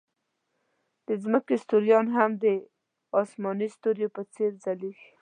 د ځمکې ستوریان هم د آسماني ستوریو په څېر ځلېږي.